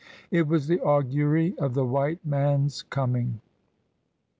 It was the augury of the white man's coming.